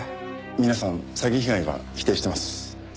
皆さん詐欺被害は否定してます。